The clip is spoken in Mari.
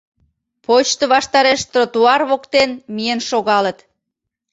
Почто ваштареш тротуар воктен миен шогалыт.